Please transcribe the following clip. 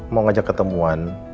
mau ngajak ketemuan